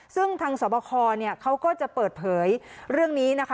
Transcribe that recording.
ซึ่งทางสวบคเขาก็จะเปิดเผยเรื่องนี้นะคะ